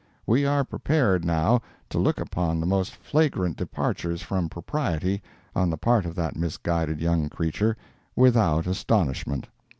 We are prepared, now, to look upon the most flagrant departures from propriety, on the part of that misguided young creature, without astonishment.